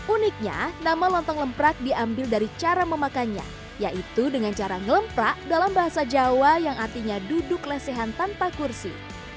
uniknya nama lontong lemprak diambil dari cara memakannya yaitu dengan cara ngelemprak dalam bahasa jawa yang artinya duduk lesehan tanpa kursi